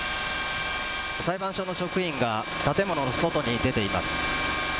裁判所の職員が、建物の外に出ています。